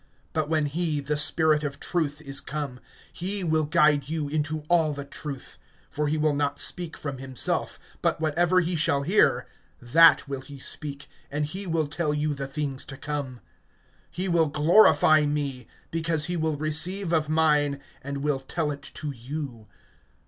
(13)But when he, the Spirit of truth is come, he will guide you into all the truth; for he will not speak from himself, but whatever he shall hear, that will he speak, and he will tell you the things to come. (14)He will glorify me; because he will receive of mine, and will tell it to you.